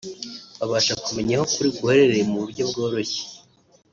babasha kumenya aho ukuri guherereye mu buryo bworoshye